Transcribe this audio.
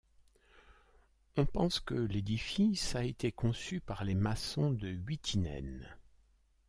On pense que l'édifice a été conçu par les maçon de Huittinen.